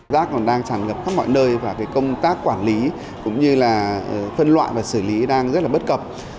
rắc còn đang tràn ngập khắp mọi nơi và công tác quản lý cũng như phân loại và xử lý đang rất bất cập